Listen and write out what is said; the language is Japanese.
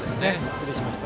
失礼しました。